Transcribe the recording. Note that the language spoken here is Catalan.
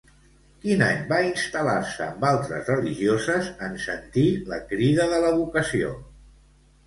Quin any va instal·lar-se amb altres religioses en sentir la crida de la vocació?